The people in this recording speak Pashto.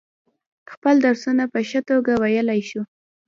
خپل درسونه په ښه توگه ویلای شو.